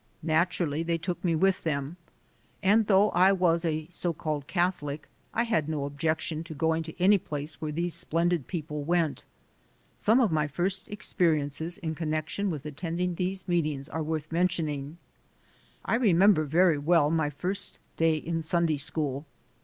Naturally they took me with them, and though I was a so called Catholic I had no objection to going to any place where these splendid people went. Some of my first experiences in connection with attending these meetings are worth mentioning. I remember very well my first day in Sunday School.